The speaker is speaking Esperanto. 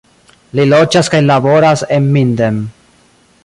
Li loĝas kaj laboras en Minden.